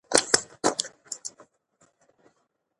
ملالۍ چې ناره یې وکړه، پیغله وه.